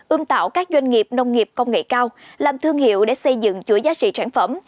ưm tạo các doanh nghiệp nông nghiệp công nghệ cao làm thương hiệu để xây dựng chuỗi giá trị sản phẩm